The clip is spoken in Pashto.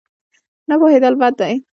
نه پوهېدل بد دی.